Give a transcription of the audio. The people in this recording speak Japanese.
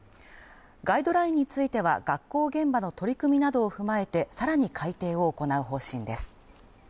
ガイドラインについては学校現場の取り組みなどを踏まえて、さらに改訂を行う方針です。